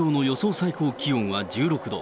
最高気温は１６度。